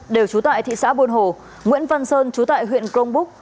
đều trú tại thị xã buôn hồ nguyễn văn sơn trú tại huyện crong búc